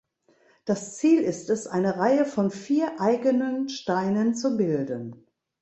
Das Ziel ist es, eine Reihe von vier eigenen Steinen zu bilden.